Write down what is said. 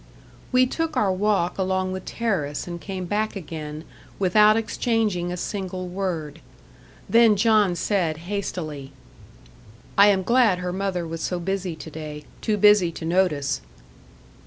We took our walk along the terrace and came back again, without exchanging a single word. Then John said hastily: "I am glad her mother was so busy to day too busy to notice."